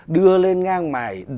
đưa lên ngang mải